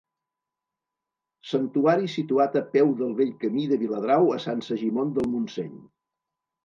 Santuari situat a peu del vell camí de Viladrau a Sant Segimon del Montseny.